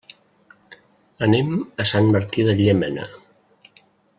Anem a Sant Martí de Llémena.